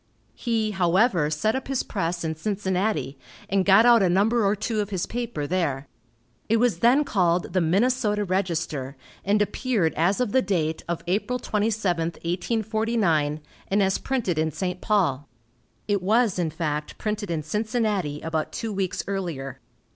He, however, set up his press in Cincinnati, and got out a number or two of his paper there. It was then called the "Minnesota Register," and appeared as of the date of April 27, 1849, and as printed in St. Paul. It was in fact printed in Cincinnati about two weeks earlier.